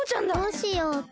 どうしよう。